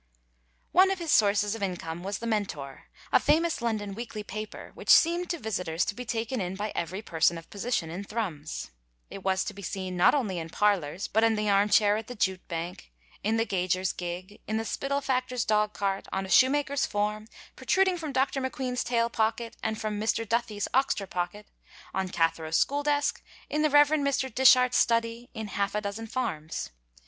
One of his sources of income was the Mentor, a famous London weekly paper, which seemed to visitors to be taken in by every person of position in Thrums. It was to be seen not only in parlors, but on the armchair at the Jute Bank, in the gauger's gig, in the Spittal factor's dog cart, on a shoemaker's form, protruding from Dr. McQueen's tail pocket and from Mr. Duthie's oxter pocket, on Cathro's school desk, in the Rev. Mr. Dishart's study, in half a dozen farms.